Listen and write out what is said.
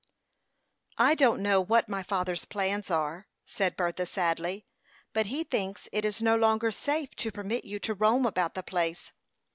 "I don't know what my father's plans are," said Bertha, sadly; "but he thinks it is no longer safe to permit you to roam about the place.